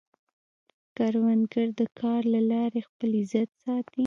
کروندګر د کار له لارې خپل عزت ساتي